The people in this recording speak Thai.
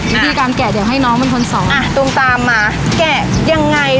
วิธีการแกะเดียวให้น้องมันค้นสอง